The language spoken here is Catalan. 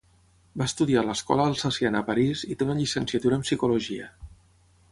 Va estudiar a l'escola alsaciana a París i té una llicenciatura en psicologia.